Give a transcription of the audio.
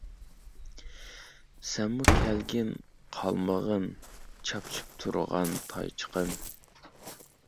سەنمۇ كەلگىن قالمىغىن، چاپچىپ تۇرغان تايچىقىم.